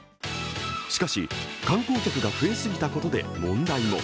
しかし、観光客が増えすぎたことで問題も。